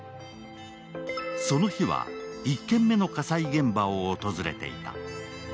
その日は１件目の火災現場を訪れていた。